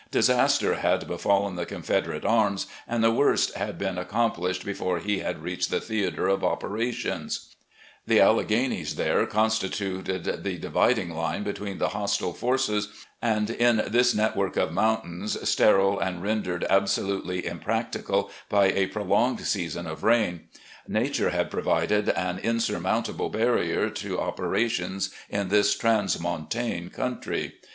Disaster had befallen the Confederate arms, and the worst had been accomplished before he had reached the theatre of operations; the AUeghanies there consti tuted the dividing line between the hostile forces, and in this network of mountains, sterile and rendered absolutely impracticable by a prolonged season of rain. Nature had provided an insurmountable barrier to operations in this transmontane country.